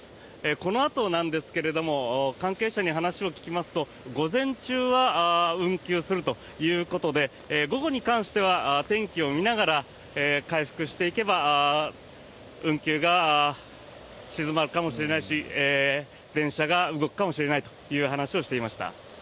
このあとなんですが関係者に話を聞きますと午前中は運休するということで午後に関しては天気を見ながら回復していけば運休が静まるかもしれないし電車が動くかもしれないという話をしていました。